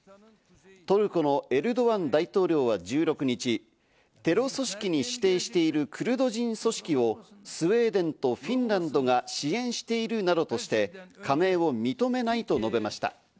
トルコのエルドアン大統領は１６日、テロ組織に指定しているクルド人組織をスウェーデンとフィンランドが支援しているなどとして、加盟を認めないと述べました。